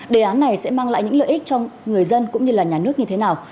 đề án này sẽ mang lại những lợi ích cho người dân cũng như là nhà nước như thế nào